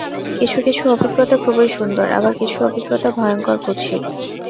কিছু-কিছু অভিজ্ঞতা খুবই সুন্দর, আবার কিছু অভিজ্ঞতা ভয়ংকর কুৎসিত।